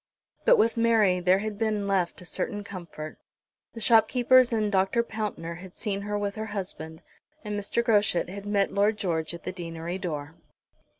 But with Mary there had been left a certain comfort. The shopkeepers and Dr. Pountner had seen her with her husband, and Mr. Groschut had met Lord George at the deanery door.